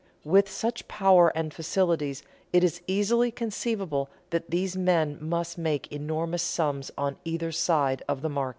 With such power and facilities it is easily conceivable that these men must make enormous sums on either side of the market."